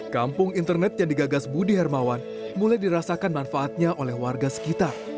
kampung internet yang digagas budi hermawan mulai dirasakan manfaatnya oleh warga sekitar